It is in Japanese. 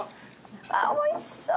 あっおいしそう。